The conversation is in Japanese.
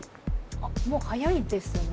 あっもう早いですね。